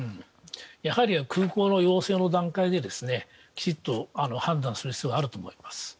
空港の陽性の段階できちんと判断する必要があると思います。